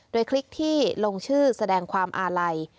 โดยคลิปที่ลงชื่อแสดงความอาลัย